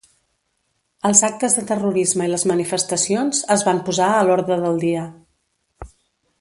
Els actes de terrorisme i les manifestacions es van posar a l'orde del dia.